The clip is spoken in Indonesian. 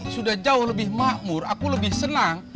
sudah jauh lebih makmur aku lebih senang